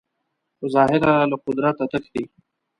په ظاهره له قدرته تښتي